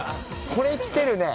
これ、きてるね。